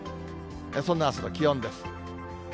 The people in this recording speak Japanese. そんなあすの気温です。